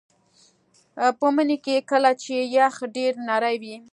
په مني کې کله چې یخ ډیر نری وي